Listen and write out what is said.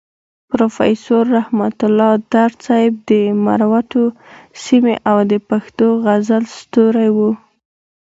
پروفيسور رحمت الله درد صيب د مروتو سيمې او د پښتو غزل ستوری وو.